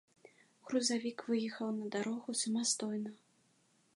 Грузавік выехаў на дарогу самастойна.